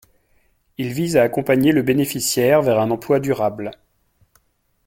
Il vise à accompagner le bénéficiaire vers un emploi durable.